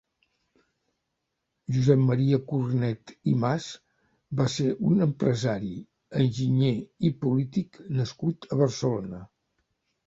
Josep Maria Cornet i Mas va ser un empresari, enginyer i polític nascut a Barcelona.